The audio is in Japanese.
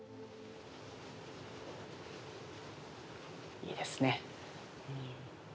いいですね。